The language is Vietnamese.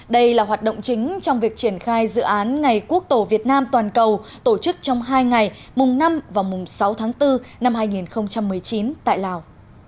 đây là hoạt động chính trong việc triển khai dự án ngày quốc tổ việt nam toàn cầu tổ chức trong hai ngày mùng năm và mùng sáu tháng bốn năm hai nghìn một mươi chín tại lào